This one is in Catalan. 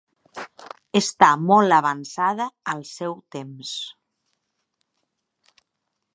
Està molt avançada al seu temps.